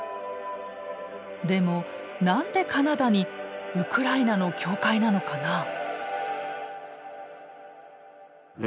でも何でカナダにウクライナの教会なのかな？